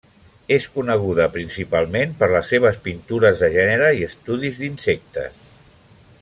És coneguda principalment per les seves pintures de gènere i estudis d'insectes.